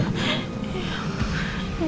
nih nino lagi sibuk